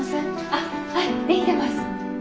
あっはいできてます。